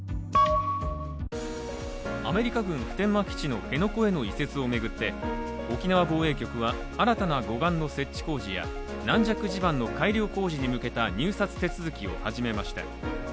アメリカ軍普天間基地の辺野古への移設を巡って沖縄防衛局は新たな護岸の設置工事や軟弱地盤の改良工事に向けた入札手続きを始めました。